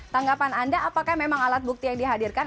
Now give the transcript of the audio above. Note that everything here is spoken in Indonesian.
tanggapan anda apakah memang alat bukti yang dihadirkan